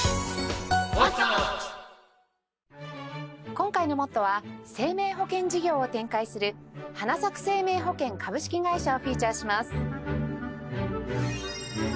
今回の『ＭＯＴＴＯ！！』は生命保険事業を展開するはなさく生命保険株式会社をフィーチャーします。